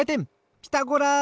「ピタゴラ」！